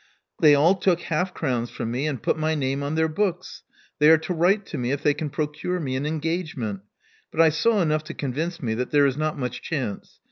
"They all took half crowns from me, and put my name on their books. They are to write to me if they can procure me an engagement; but I saw enough to convince me that there is not much chance.